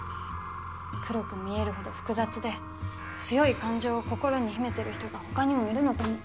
黒く見えるほど複雑で強い感情を心に秘めている人が他にもいるのかも。